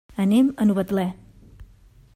Anem a Novetlè.